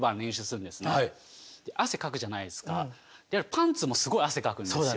パンツもすごい汗かくんですよ。